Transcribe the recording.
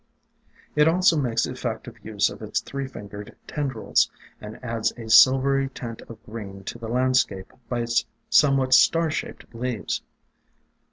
It also makes effective use of its three fingered tendrils, and adds a silvery tint of green to the landscape by its somewhat star shaped THE DRAPERY OF VINES $11 leaves.